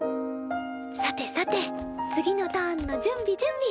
さてさて次のターンの準備準備！